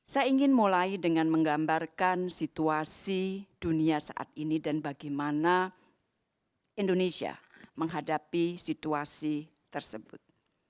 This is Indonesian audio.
saya ingin mulai dengan menggambarkan situasi dunia saat ini dan bagaimana indonesia menghadapi situasi tersebut